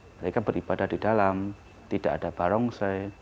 mereka beribadah di dalam tidak ada barongsai